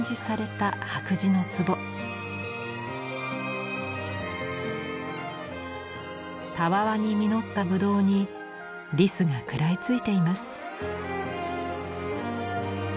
たわわに実ったぶどうにリスが食らいついています。